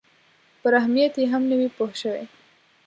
پر اهمیت یې هم نه وي پوه شوي.